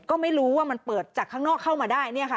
ก็ไม่รู้ว่ามันเปิดจากข้างนอกเข้ามาได้